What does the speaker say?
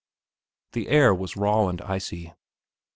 The air was raw and icy.